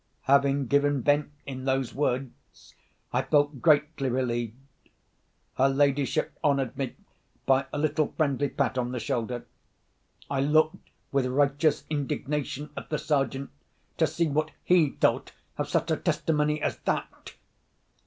Having given vent in those words, I felt greatly relieved. Her ladyship honoured me by a little friendly pat on the shoulder. I looked with righteous indignation at the Sergeant, to see what he thought of such a testimony as _that!